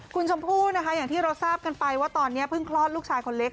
คุณชมพู่นะคะอย่างที่เราทราบกันไปว่าตอนนี้เพิ่งคลอดลูกชายคนเล็ก